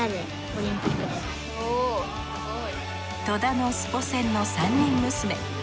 戸田のスポセンの３人娘。